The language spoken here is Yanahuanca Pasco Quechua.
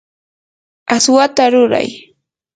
aswata ruray.